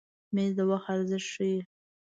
مېز د وخت ارزښت ښیي.